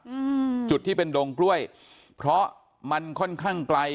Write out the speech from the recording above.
อืมจุดที่เป็นดงกล้วยเพราะมันค่อนข้างไกล